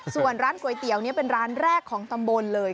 ส่วนร้านก๋วยเตี๋ยวนี้เป็นร้านแรกของตำบลเลย